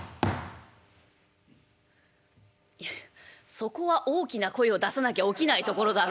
「そこは大きな声を出さなきゃ起きないところだろ？」。